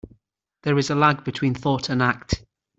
There is a lag between thought and act.